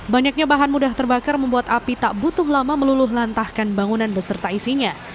banyaknya bahan mudah terbakar membuat api tak butuh lama meluluh lantahkan bangunan beserta isinya